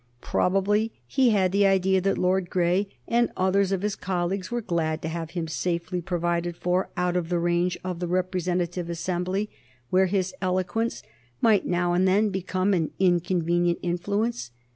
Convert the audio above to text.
Probably he had the idea that Lord Grey and others of his colleagues were glad to have him safely provided for out of the range of the representative assembly, where his eloquence might now and then become an inconvenient influence.